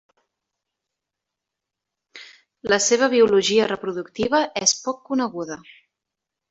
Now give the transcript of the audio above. La seva biologia reproductiva és poc coneguda.